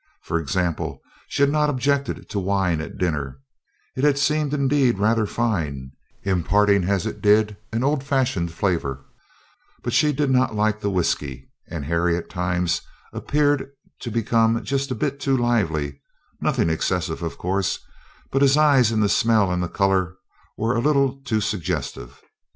For example, she had not objected to wine at dinner; it had seemed indeed rather fine, imparting, as it did, an old fashioned flavor; but she did not like the whiskey, and Harry at times appeared to become just a bit too lively nothing excessive, of course, but his eyes and the smell and the color were a little too suggestive.